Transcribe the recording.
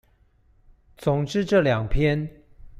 總之這兩篇